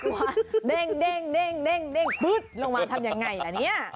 เด้งปึ๊ดลงมาทำยังไงล่ะเนี่ย